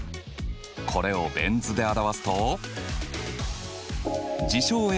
これをベン図で表すと事象Ａ